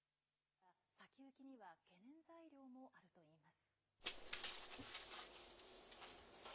ただ、先行きには懸念材料もあるといいます。